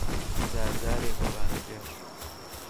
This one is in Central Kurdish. جار جارێ گۆرانیبێژ